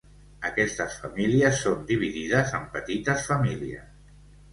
Aquestes famílies són dividides en petites famílies.